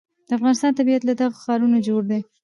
د افغانستان طبیعت له دغو ښارونو جوړ شوی دی.